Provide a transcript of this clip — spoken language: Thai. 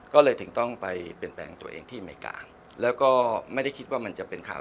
ก็เลยถึงต้องไปเปลี่ยนแปลงตัวเองที่อเมริกาแล้วก็ไม่ได้คิดว่ามันจะเป็นข่าว